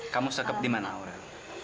kamu sikap dimana aurel